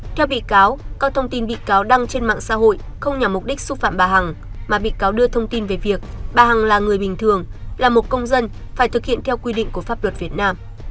theo bị cáo các thông tin bị cáo đăng trên mạng xã hội không nhằm mục đích xúc phạm bà hằng mà bị cáo đưa thông tin về việc bà hằng là người bình thường là một công dân phải thực hiện theo quy định của pháp luật việt nam